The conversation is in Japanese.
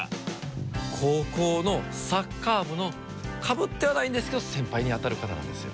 高校のサッカー部のかぶってはないんですけど先輩に当たる方なんですよ。